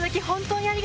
本当に？